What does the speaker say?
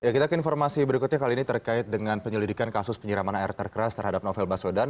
kita ke informasi berikutnya kali ini terkait dengan penyelidikan kasus penyiraman air terkeras terhadap novel baswedan